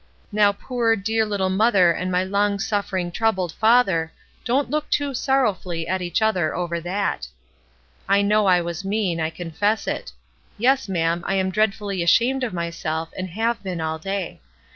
Now poor, dear, little mother and my long suffering, troubled father, don't look too sorrowfully at 78 ESTER RIED^S NAMESAKE each other over that. I know I was mean, I confess it ; yes, ma'am, I am dreadfully ashamed of myself and have been all day.